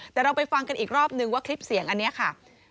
แต่เราไปฟังกันอีกรอบนึงว่าคลิปเสียงอันนี้ค่ะ